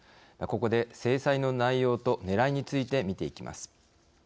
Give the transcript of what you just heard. ここで制裁の内容とねらいについて見ていきます。